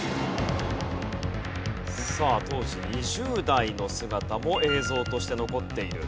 さあ当時２０代の姿も映像として残っている。